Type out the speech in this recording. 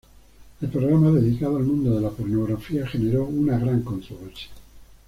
El programa dedicado al mundo de la pornografía generó una gran controversia.